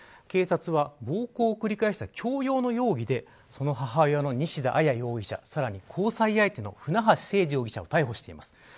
警察は、暴行を繰り返した強要の容疑で母親の西田彩容疑者さらに交際相手の船橋誠二容疑者を逮捕してます。